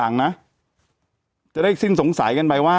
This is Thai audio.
แต่หนูจะเอากับน้องเขามาแต่ว่า